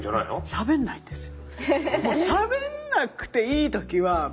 しゃべんないんですよ。